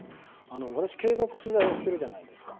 私は警察取材をしているじゃないですか。